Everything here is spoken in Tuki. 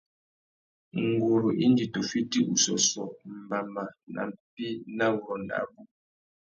Nguru indi tu fiti ussôssô mbama nà mpí nà wurrôndô abú.